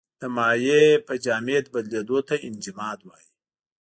د مایع په جامد بدلیدو ته انجماد وايي.